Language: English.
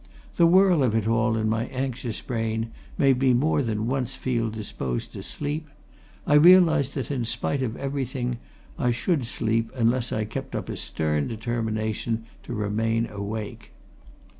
The whirl of it all in my anxious brain made me more than once feel disposed to sleep; I realized that in spite of everything, I should sleep unless I kept up a stern determination to remain awake.